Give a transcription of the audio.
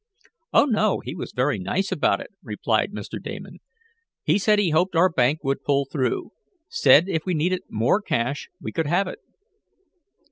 "Oh, no, he was very nice about it," replied Mr. Damon. "He said he hoped our bank would pull through. Said if we needed more cash we could have it."